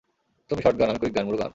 তুমি শটগান, আমি quick gun, Murugan.